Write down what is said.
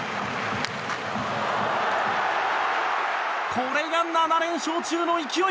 これが７連勝中の勢い。